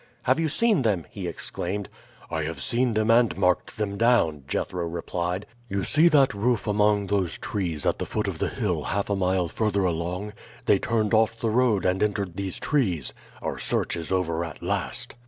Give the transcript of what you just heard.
"Have you seen them?" he exclaimed. "I have seen them and marked them down," Jethro replied. "You see that roof among those trees at the foot of the hill half a mile further along? They turned off the road and entered these trees. Our search is over at last."